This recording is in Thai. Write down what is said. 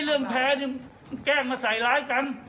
เรื่องแพ้นี่แกล้งมาใส่ร้ายกัน